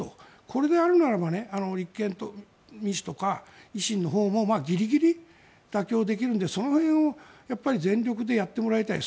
これでやるならば立憲とか民主、維新のほうもギリギリ妥協できるのでその辺を全力でやってもらいたい。